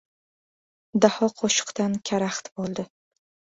Daho qo‘shiqdan karaxt bo‘ldi.